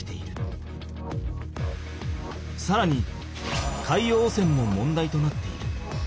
さらに海洋汚染も問題となっている。